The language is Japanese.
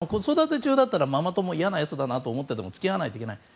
あるいは、子育て中だとママ友、嫌な奴だなと思っても付き合わないといけない。